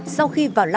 sau khi vào lái